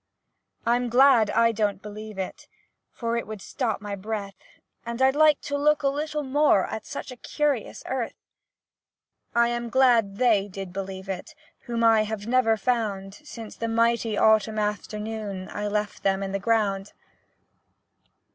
I 'm glad I don't believe it, For it would stop my breath, And I 'd like to look a little more At such a curious earth! I am glad they did believe it Whom I have never found Since the mighty autumn afternoon I left them in the ground.